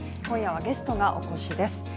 今夜はゲストがお越しです。